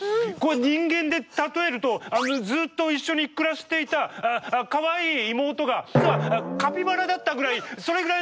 人間で例えるとずっと一緒に暮らしていたかわいい妹が実はカピバラだったぐらいそれぐらいのびっくりですよ。